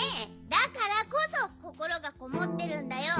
だからこそこころがこもってるんだよ。